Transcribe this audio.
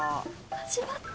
始まった！